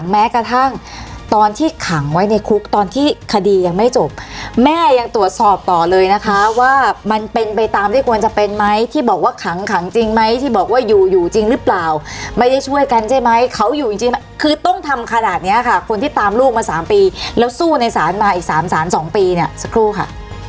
ไม่ได้ช่วยกันใช่ไหมเขาอยู่จริงจริงคือต้องทำขนาดเนี้ยค่ะคนที่ตามลูกมาสามปีแล้วสู้ในศาลมาอีกสามศาลสองปีเนี้ยสักครู่ค่ะ